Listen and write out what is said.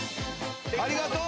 ありがとう！